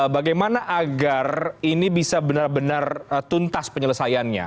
bagaimana agar ini bisa benar benar tuntas penyelesaiannya